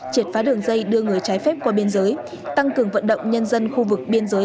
triệt phá đường dây đưa người trái phép qua biên giới tăng cường vận động nhân dân khu vực biên giới